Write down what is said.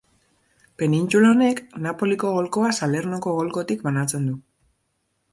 Penintsula honek, Napoliko golkoa Salernoko golkotik banatzen du.